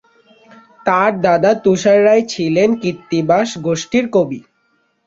তার দাদা তুষার রায় ছিলেন কৃত্তিবাস গোষ্ঠীর কবি।